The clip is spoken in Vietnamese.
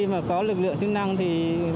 khi mà có lực lượng chức năng thì